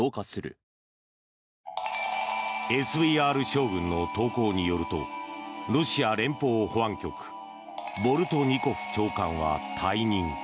ＳＶＲ将軍の投稿によるとロシア連邦保安局ボルトニコフ長官は、退任。